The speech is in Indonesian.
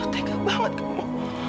tenggel banget kamu